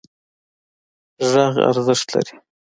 غږ ارزښت لري.